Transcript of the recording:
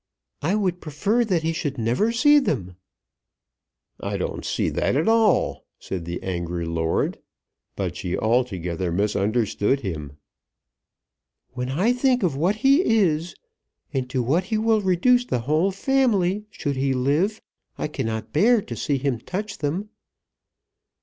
"I would prefer that he should never see them!" "I don't see that at all," said the angry lord. But she altogether misunderstood him. "When I think of what he is, and to what he will reduce the whole family should he live, I cannot bear to see him touch them.